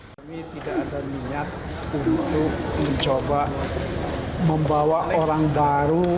kami tidak ada niat untuk mencoba membawa orang baru